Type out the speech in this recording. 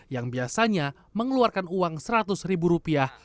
yang biasanya mengeluarkan uang seratus ribu rupiah